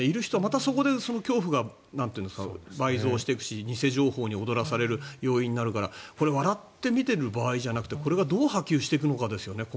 そこでまた恐怖が倍増していくし、偽情報に踊らされる要因になるからこれを笑って見ている場合じゃなくてこれが今後どう波及していくのかですね。